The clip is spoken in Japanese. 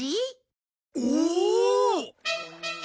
おお！